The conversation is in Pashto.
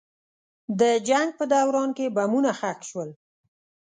د جنګ په دوران کې بمونه ښخ شول.